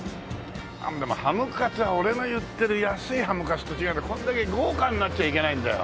でもハムカツは俺の言ってる安いハムカツと違ってこんだけ豪華になっちゃいけないんだよ。